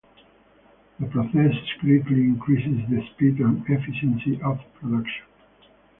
The process greatly increased the speed and efficiency of production.